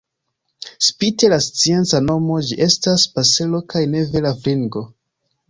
Spite la scienca nomo, ĝi estas pasero kaj ne vera fringo.